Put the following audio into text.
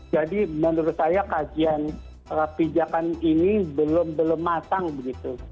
jadi menurut saya kajian kebijakan ini belum matang begitu